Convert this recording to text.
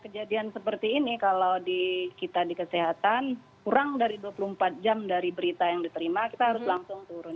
kejadian seperti ini kalau kita di kesehatan kurang dari dua puluh empat jam dari berita yang diterima kita harus langsung turun